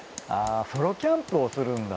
ソロキャンプをするんだ。